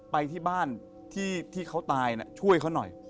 ไปที่บ้านที่เขาตายช่วยเขาหน่อย